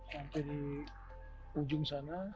sampai di ujung sana